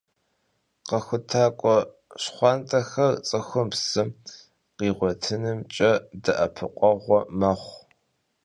«Khexutak'ue şxhuant'exer» ts'ıxum psı khiğuetınımç'e de'epıkhueğu mexhu.